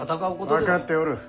分かっておる。